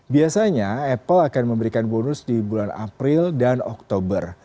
biasanya apple akan memberikan bonus di bulan april dan oktober